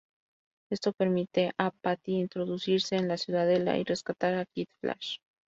Esto permite a Patty introducirse en la ciudadela y rescatar a Kid Flash.